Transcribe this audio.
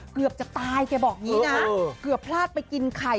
เกือบจะตายแกบอกอย่างนี้นะเกือบพลาดไปกินไข่